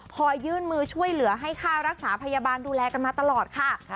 ยื่นมือช่วยเหลือให้ค่ารักษาพยาบาลดูแลกันมาตลอดค่ะ